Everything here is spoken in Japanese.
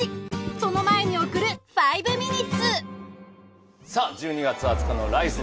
その前に送る「５ミニッツ」さあ１２月２０日の「ＬＩＦＥ！